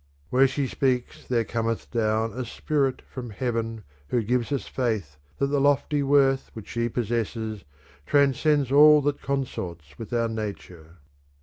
Where she speaks there cometh down a spirit from heaven who gives us faith that the lofty worth which 9he possesses transcends all that consorts with our nature.